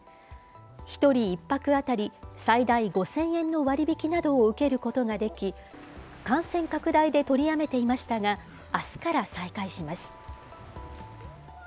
１人１泊当たり最大５０００円の割り引きなどを受けることができ、感染拡大で取りやめていましたが、あすから再開します。